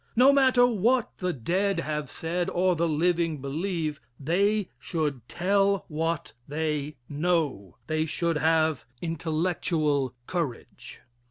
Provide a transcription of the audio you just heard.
No matter what the dead have said, or the living believe, they should tell what they know. They should have intellectual courage.